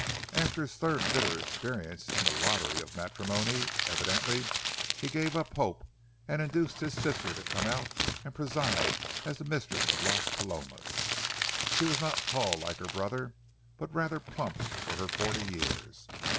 After his third bitter experience in the lottery of matrimony, evidently he gave up hope, and induced his sister to come out and preside as the mistress of Las Palomas. She was not tall like her brother, but rather plump for her forty years.